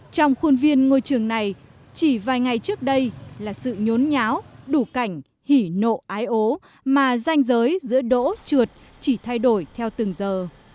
trong khuôn viên ngôi trường này chỉ vài ngày trước đây là sự nhốn nháo đủ cảnh hỉ nộ ái ố mà danh giới giữa đỗ trượt chỉ thay đổi theo từng giờ